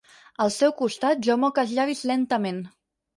Al seu costat jo moc els llavis lentament.